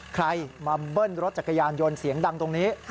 ใครมาเบิ้ลรถจักรยานยนต์เสียงดังตรงนี้